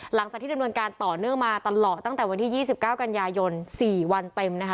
หลังจากที่ดำเนินการต่อเนื่องมาตลอดตั้งแต่วันที่๒๙กันยายน๔วันเต็มนะคะ